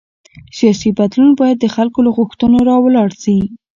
سیاسي بدلون باید د خلکو له غوښتنو راولاړ شي